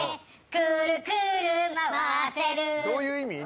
どういう意味？